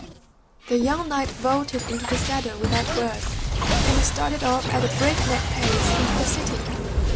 The young knight vaulted into the saddle without a word, and started off at a break neck pace into the city.